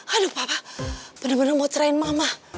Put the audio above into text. aduh papa bener bener mau tren mama